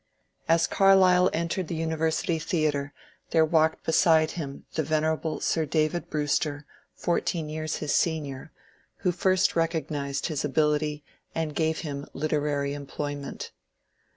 As Carlyle entered the univer sily theatre there walked beside him the venerable Sir David Brewster, fourteen years his senior, who first recognized his ability and g^ve him literary employment.